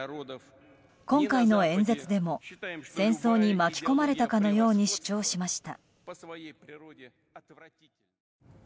今回の演説でも戦争に巻き込まれたかのように主張しました。